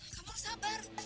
kamu harus sabar